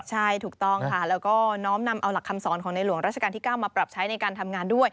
ใช่ถูกต้องค่ะแล้วก็น้อมนำเอาหลักคำสอนของในหลวงราชการที่๙มาปรับใช้ในการทำงานด้วย